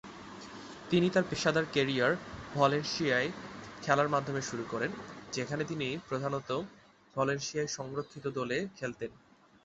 তিনি তার পেশাদার ক্যারিয়ার ভালেনসিয়ায় খেলার মাধ্যমে শুরু করেন, যেখানে তিনি প্রধানত ভালেনসিয়া সংরক্ষিত দলে খেলতেন।